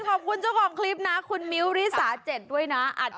ขอบคุณเจ้าของคลิปนะคุณมิ้วริสา๗ด้วยนะ